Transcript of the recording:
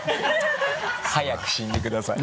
早く死んでください。